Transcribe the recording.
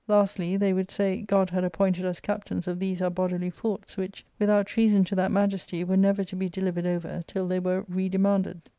Lastly, they would say God had appointed us captains of these our bodily forts, which, with out treason to that Majesty, were never to be delivered over till they were redemanded."